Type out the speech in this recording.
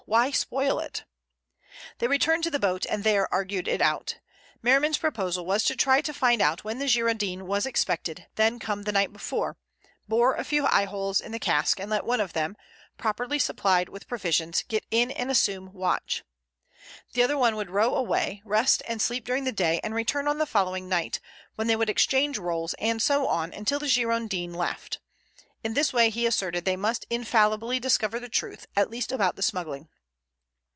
Why spoil it?" They returned to the boat and there argued it out. Merriman's proposal was to try to find out when the Girondin was expected, then come the night before, bore a few eyeholes in the cask, and let one of them, properly supplied with provisions, get inside and assume watch. The other one would row away, rest and sleep during the day, and return on the following night, when they would exchange roles, and so on until the Girondin left. In this way, he asserted, they must infallibly discover the truth, at least about the smuggling.